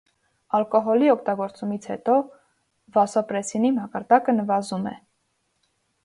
Ալկոհոլի օգտագործումից հետո վասոպրեսինի մակարդակը նվազում է։